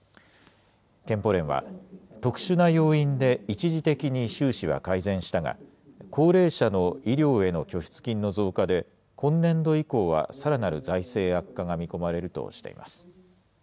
健保連は、特殊な要因で一時的に収支は改善したが、高齢者の医療への拠出金の増加で、今年度以降はさらなる財政悪化が見込まれるとしています。